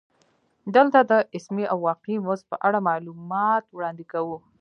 دلته د اسمي او واقعي مزد په اړه معلومات وړاندې کوو